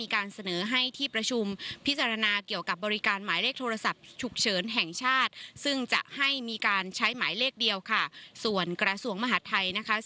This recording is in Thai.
ขอบคุณครับค่ะ